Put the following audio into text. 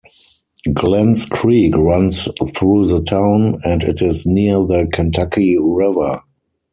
Glenns Creek runs through the town, and it is near the Kentucky River.